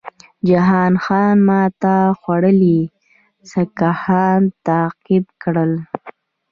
جهان خان ماته خوړلي سیکهان تعقیب کړل.